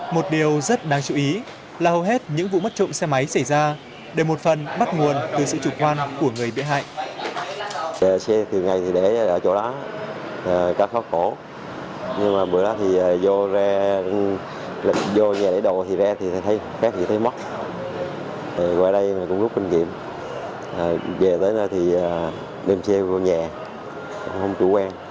một điều rất đáng chú ý là hầu hết những vụ mất trộm xe máy xảy ra đều một phần bắt nguồn từ sự chủ quan của người bị hại